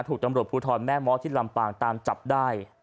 ถูกตำรวจภูทรแม่ม้อที่ลำปางตามจับได้